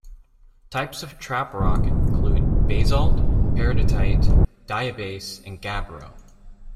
Types of trap rock include basalt, peridotite, diabase, and gabbro.